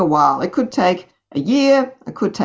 mungkin membutuhkan satu tahun mungkin membutuhkan lebih lama